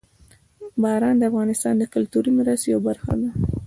باران د افغانستان د کلتوري میراث یوه برخه ده.